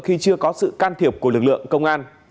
khi chưa có sự can thiệp của lực lượng công an